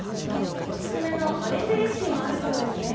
お薦めのアレンジレシピもあるそうですね？